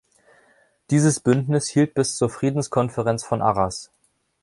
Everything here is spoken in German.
Dieses Bündnis hielt bis zur Friedenskonferenz von Arras.